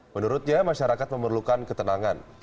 menurutnya masyarakat memerlukan ketenangan